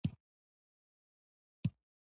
ورو ورو نور هم را نږدې کېده.